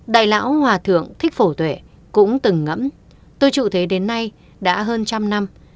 đại lão hòa thượng thích phổ tuệ cũng từng ngẫm tôi trụ thế đến nay đã hơn trăm năm